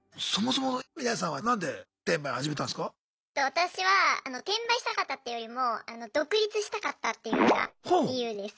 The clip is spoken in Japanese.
私は転売したかったっていうよりも独立したかったっていうのが理由です。